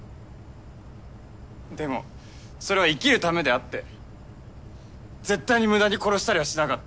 でもそれは「生きる」ためであって絶対に無駄に殺したりはしなかった。